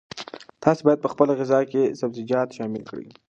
تاسي باید په خپله غذا کې سبزیجات شامل کړئ.